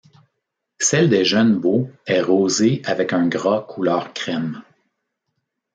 Celle des jeunes veaux est rosée avec un gras couleur crême.